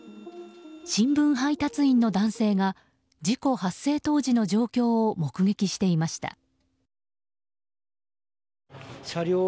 新聞配達員の男性が事故発生当時の状況を目撃していました。